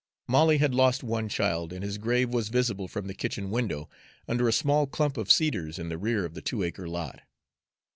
Molly had lost one child, and his grave was visible from the kitchen window, under a small clump of cedars in the rear of the two acre lot.